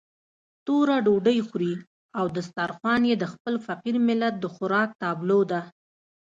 توره ډوډۍ خوري او دسترخوان يې د خپل فقير ملت د خوراک تابلو ده.